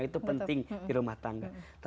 itu penting di rumah tangga